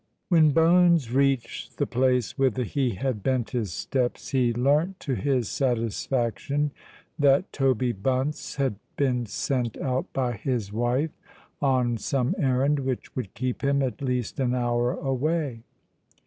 When Bones reached the place whither he had bent his steps, he learnt to his satisfaction that Toby Bunce had been sent out by his wife on some errand which would keep him at least an hour away.